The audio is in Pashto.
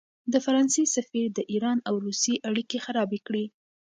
د فرانسې سفیر د ایران او روسیې اړیکې خرابې کړې.